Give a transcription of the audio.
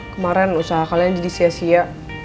kemarin usaha kalian jadi sia sia